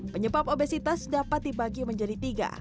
penyebab obesitas dapat dibagi menjadi tiga